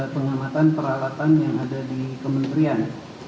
pengamatan peralatan yang ada di kementerian